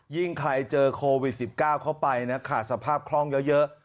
ใครเจอโควิด๑๙เข้าไปนะขาดสภาพคล่องเยอะ